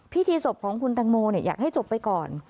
พิธีศพของคุณตังโมอยากให้จบไปก่อน